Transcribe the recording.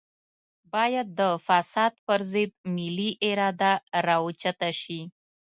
بايد د فساد پر ضد ملي اراده راوچته شي.